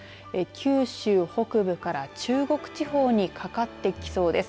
九州北部から中国地方にかかってきそうです。